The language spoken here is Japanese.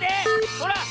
ほら！